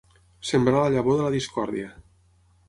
Sembrar la llavor de la discòrdia.